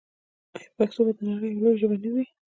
آیا پښتو به د نړۍ یوه لویه ژبه نه وي؟